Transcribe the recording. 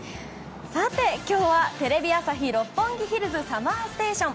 今日はテレビ朝日・六本木ヒルズＳＵＭＭＥＲＳＴＡＴＩＯＮ